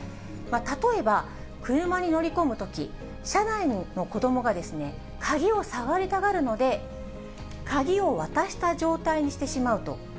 例えば、車に乗り込むとき、車内の子どもが鍵を触りたがるので、鍵を渡した状態にしてしまうと。